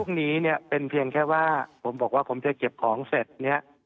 นี้เนี่ยเป็นเพียงแค่ว่าผมบอกว่าผมจะเก็บของเสร็จเนี่ย